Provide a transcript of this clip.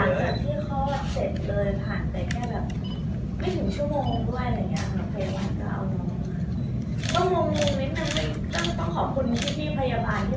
ใช่หลังจากที่เขามาเสร็จเลย